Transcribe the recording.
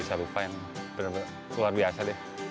saya tidak bisa lupa luar biasa